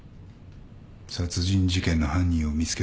殺人事件の犯人を見つけるためだ。